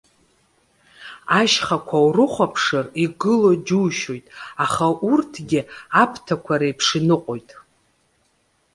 Ашьхақәа урыхәаԥшыр, игылоу џьушьоит, аха урҭгьы аԥҭақәа реиԥш иныҟәоит.